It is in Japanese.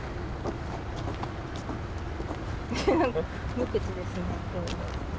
無口ですね今日。